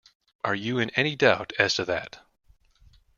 Are you in any doubt as to that?